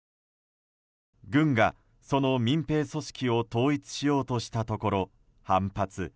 軍が、その民兵組織を統一しようとしたところ反発。